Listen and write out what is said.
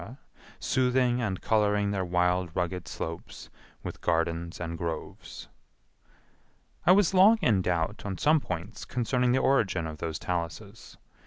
soothing and coloring their wild rugged slopes with gardens and groves. I was long in doubt on some points concerning the origin of those taluses.